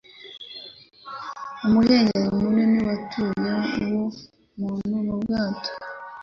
Umuhengeri munini watwaye uwo muntu mu bwato.